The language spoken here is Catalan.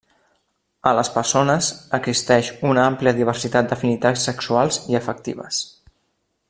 A les persones, existeix una àmplia diversitat d'afinitats sexuals i afectives.